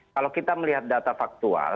kalau kita melihat data faktual